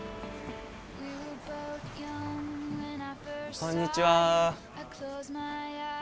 こんにちは。